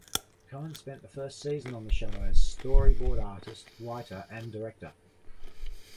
Cohen spent the first season on the show as storyboard artist, writer, and director.